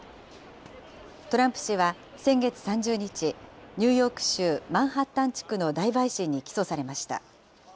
トランプ氏は先月３０日、ニューヨーク州マンハッタン地区の大陪審に起訴されました。